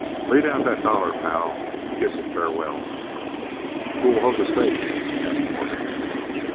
Lead out the dollar, pal, an' kiss it farewell!" "Who'll hold the stakes?" asked Morgan.